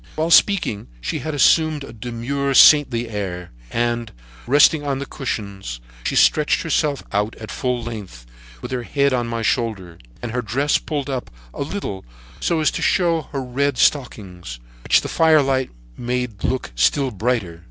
"While speaking, she had assumed a demure saintly air; and, resting on the cushions, she stretched herself out at full length, with her head on my shoulder, and her dress pulled up a little so as to show her red stockings, which the firelight made look still brighter.